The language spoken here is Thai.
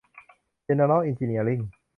เจนเนอรัล เอนจิเนียริ่ง